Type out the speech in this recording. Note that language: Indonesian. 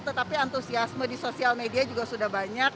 tetapi antusiasme di sosial media juga sudah banyak